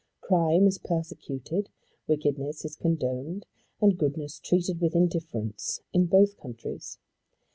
Crime is persecuted, wickedness is condoned, and goodness treated with indifference in both countries.